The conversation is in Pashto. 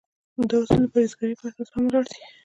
دا اصول د پرهیزګارۍ په اساس هم ولاړ دي.